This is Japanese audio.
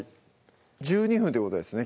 １２分ってことですね